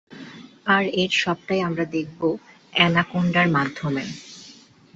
আর এর সবটাই আমরা দেখবো অ্যানাকোন্ডার মাধ্যমে।